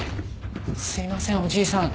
すいませんおじいさん。